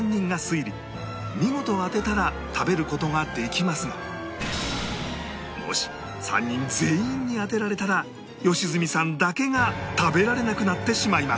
見事当てたら食べる事ができますがもし３人全員に当てられたら良純さんだけが食べられなくなってしまいます